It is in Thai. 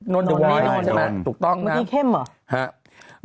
นนด์เดอะวอร์ใช่ไหมถูกต้องมันมีเข้มเหรอ